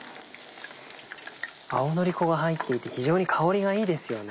青のり粉が入っていて非常に香りがいいですよね。